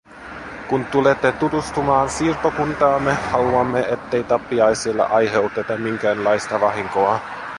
Kun tulette tutustumaan siirtokuntaamme, haluamme, ettei tappiaisille aiheuteta minkäänlaista vahinkoa.